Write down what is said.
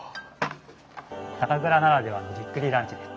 酒蔵ならではのじっくりランチです。